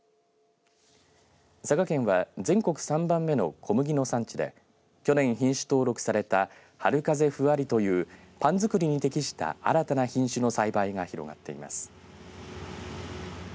佐賀県は全国３番目の小麦の産地で去年品種登録されたはる風ふわりというパン作りに適した新たな品種の栽培が広がっています。